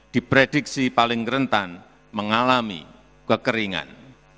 diprediksi paling rentan mengalami kekeringan